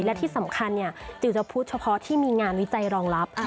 และที่สำคัญจิลจะพูดเฉพาะที่มีงานวิจัยรองรับ